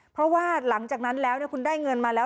เพราะว่าหลังจากนั้นแล้วคุณได้เงินมาแล้ว